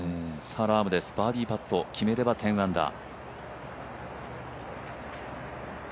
ラームです、バーディーパット決めれば１０アンダー。